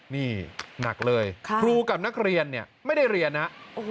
นี่หนักเลยครูกับนักเรียนเนี่ยไม่ได้เรียนนะ